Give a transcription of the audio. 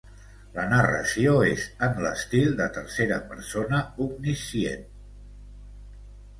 La narració és en l'estil de tercera persona omniscient.